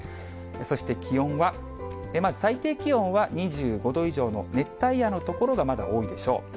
そして気温は、まず最低気温は２５度以上の熱帯夜の所がまだ多いでしょう。